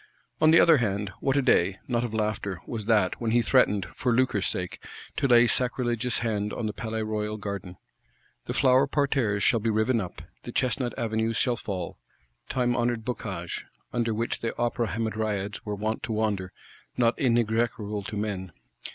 On the other hand, what a day, not of laughter, was that, when he threatened, for lucre's sake, to lay sacrilegious hand on the Palais Royal Garden! The flower parterres shall be riven up; the Chestnut Avenues shall fall: time honoured boscages, under which the Opera Hamadryads were wont to wander, not inexorable to men.